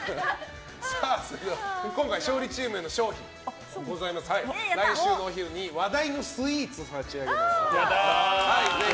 今回の勝利チームの賞品は来週のお昼に話題のスイーツを差し上げます。